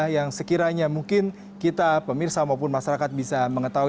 yang sekiranya mungkin kita pemirsa maupun masyarakat bisa mengetahui